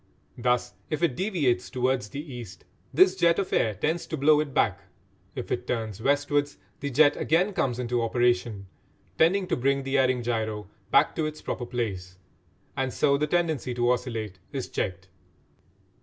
Thus, if it deviates towards the east, this jet of air tends to blow it back; if it turns westwards the jet again comes into operation, tending to bring the erring gyro back to its proper place; and so the tendency to oscillate is checked.